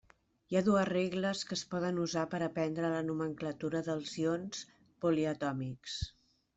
Hi ha dues regles que es poden usar per aprendre la nomenclatura dels ions poliatòmics.